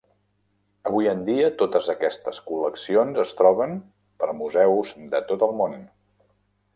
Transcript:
Avui en dia totes aquestes col·leccions es troben per museus de tot el món.